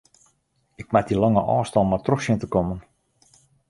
Ik moat dy lange ôfstân mar troch sjen te kommen.